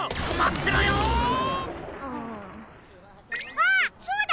あっそうだ！